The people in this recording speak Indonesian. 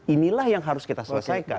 inilah yang harus kita selesaikan